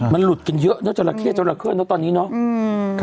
มันหลุดกันเยอะนะจราเข้จราเข้เนอะตอนนี้เนาะ